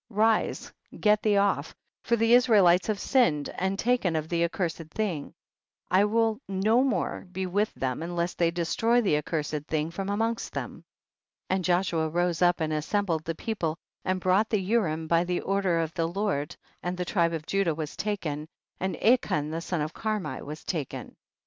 rise, get thee off, for the Israelites have sinned, and taken of the accurs ed thing ; I will no more be with them unless they destroy the accurs ed thing from amongst them. 33. And Joshua rose up and as sembled the people, and brought the Urim by the order of the Lord, and the tribe of Judah was taken, and Achan the son of Carmi was taken. 34.